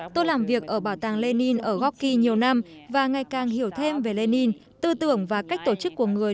tôi làm việc ở bảo tàng lenin ở goky nhiều năm và ngày càng hiểu thêm về lenin tư tưởng và cách tổ chức của người